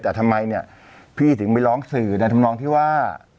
แต่ทำไมเนี่ยพี่ถึงไปร้องสื่อในธรรมนองที่ว่า